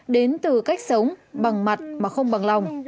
đến từ cách sống bằng mặt mà không bằng lòng